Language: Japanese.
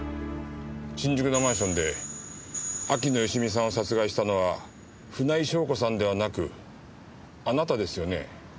新宿のマンションで秋野芳美さんを殺害したのは船井翔子さんではなくあなたですよね？